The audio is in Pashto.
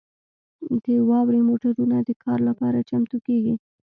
د واورې موټرونه د کار لپاره چمتو کیږي